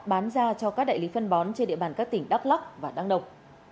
bán ra cho các đại lý phân bón trên địa bàn các tỉnh đắk lắc và đăng nông